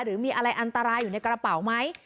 หรือมีอะไรอันตรายอยู่ในกระเป๋าไหม